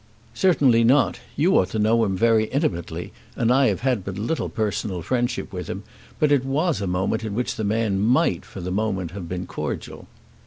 "Certainly not. You ought to know him very intimately, and I have had but little personal friendship with him. But it was a moment in which the man might, for the moment, have been cordial."